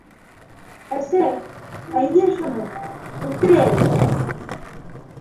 Әсәй... әйҙә шуны... үлтерәйек!